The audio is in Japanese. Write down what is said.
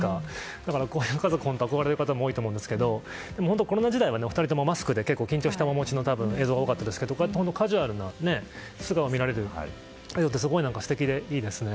だからこういう家族に憧れる方も多いと思いますがコロナ時代は２人ともマスク姿で緊張したような映像が多かったですがカジュアルな素顔を見られるってすごく素敵でいいですね。